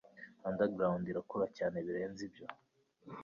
underground irakura cyane birenze ibyo